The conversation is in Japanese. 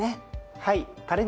はい。